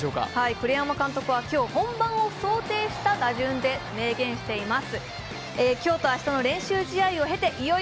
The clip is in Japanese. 栗山監督は今日、本番を想定した打順で明言しています。